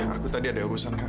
aku tadi ada urusan